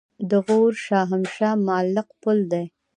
د غور شاهمشه معلق پل دی